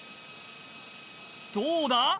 どうだ！